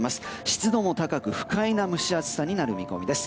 湿度も高く不快な蒸し暑さになる見込みです。